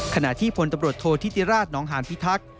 ขณะที่พลตำรวจโทษธิติราชนองหานพิทักษ์